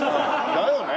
だよね。